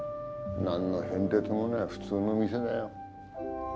何の変哲もない普通の店だよ。